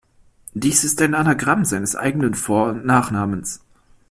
Dies ist ein Anagramm seines eigenen Vor- und Nachnamens.